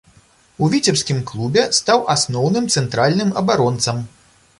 У віцебскім клубе стаў асноўным цэнтральным абаронцам.